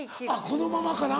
このままかな。